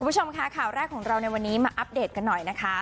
คุณผู้ชมค่ะข่าวแรกของเราในวันนี้มาอัปเดตกันหน่อยนะคะ